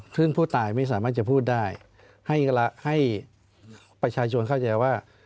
ซึ่งผู้ตายไม่สามารถจะพูดได้ให้ประชาชนเข้าใจว่า